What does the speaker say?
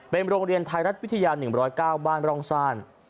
เป็นโรงเรียนไทยรัฐวิทยา๑๐๙บ้านร่องซ่าน